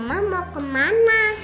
omah mau kemana